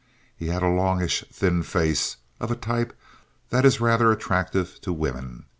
He had a longish, thin face of a type that is rather attractive to women.